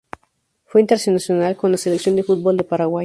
Fue internacional con la Selección de fútbol de Paraguay.